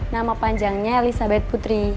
nama panjangnya elisabeth putri